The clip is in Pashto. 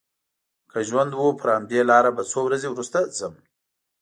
که ژوند و پر همدې لاره به څو ورځې وروسته ځم.